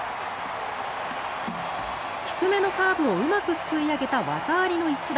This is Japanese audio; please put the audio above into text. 低めのカーブをうまくすくい上げた技ありの一打。